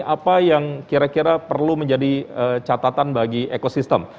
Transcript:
apa yang kira kira perlu menjadi catatan bagi ekosistem